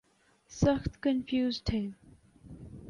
سخت کنفیوزڈ ہیں۔